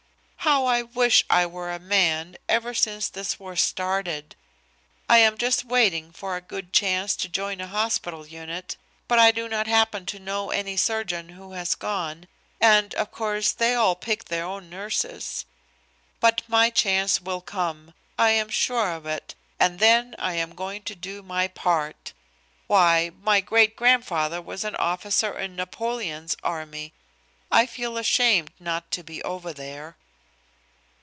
"How I wish I were a man ever since this war started! I am just waiting for a good chance to join a hospital unit, but I do not happen to know any surgeon who has gone, and of course they all pick their own nurses. But my chance will come. I am sure of it, and then I am going to do my part. Why! my great grandfather was an officer in Napoleon's army. I feel ashamed not to be over there."